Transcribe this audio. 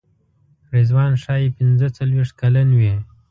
رضوان ښایي پنځه څلوېښت کلن وي.